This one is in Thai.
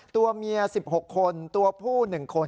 ตัวเมีย๑๖คนตัวผู้๑คน